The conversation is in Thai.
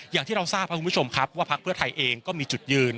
อย่างที่เราทราบครับคุณผู้ชมครับว่าพักเพื่อไทยเองก็มีจุดยืน